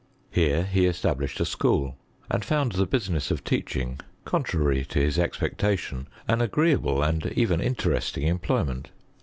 Here he established a school, and found the business of teaching, contrary to his expectation, an agreeable and even interesting employment.